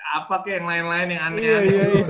apa ke yang lain lain yang aneh aneh